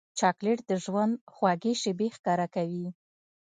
چاکلېټ د ژوند خوږې شېبې ښکاره کوي.